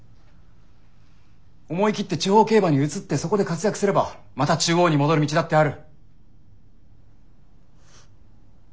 思い切って地方競馬に移ってそこで活躍すればまた中央に戻る道だってある。